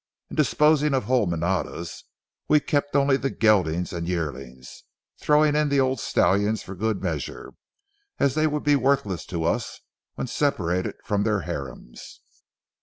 In disposing of whole manadas we kept only the geldings and yearlings, throwing in the old stallions for good measure, as they would be worthless to us when separated from their harems.